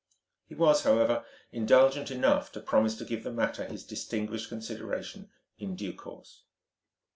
He was, however, indulgent enough to promise to give the matter his distinguished consideration in due course.